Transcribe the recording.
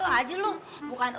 emangnya lagi nunggu siapa sih kak